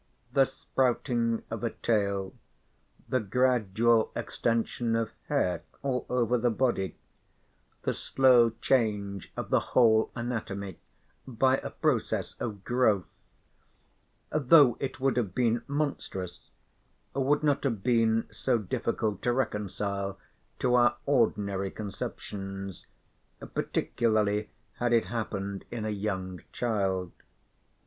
The sprouting of a tail, the gradual extension of hair all over the body, the slow change of the whole anatomy by a process of growth, though it would have been monstrous, would not have been so difficult to reconcile to our ordinary conceptions, particularly had it happened in a young child.